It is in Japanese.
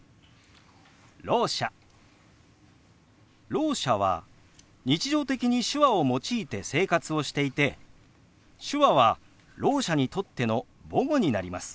ろう者は日常的に手話を用いて生活をしていて手話はろう者にとっての母語になります。